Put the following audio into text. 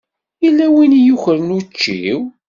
Yella win i yukren učči-w.